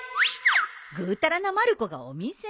ぐうたらなまる子がお店？